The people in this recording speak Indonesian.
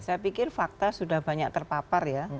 saya pikir fakta sudah banyak terpapar ya